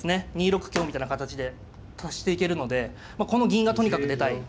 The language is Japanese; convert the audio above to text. ２六香みたいな形で足していけるのでこの銀がとにかく出たい。